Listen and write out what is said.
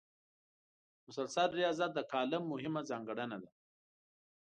مسلسل ریاضت د کالم مهمه ځانګړنه ده.